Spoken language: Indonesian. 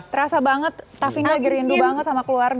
terasa banget taffy lagi rindu banget sama keluarga ya